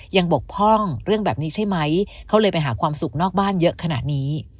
บกพ่องเรื่องแบบนี้ใช่ไหมเขาเลยไปหาความสุขนอกบ้านเยอะขนาดนี้